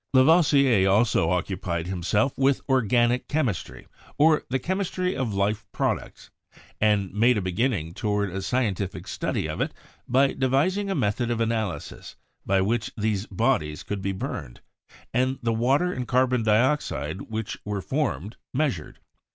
Lavoisier also occupied himself with organic chemistry, or the chemistry of life products, and made a beginning toward a scientific study of it by devising a method of analysis by which these bodies could be burned, and the water and carbon dioxide which were formed measured.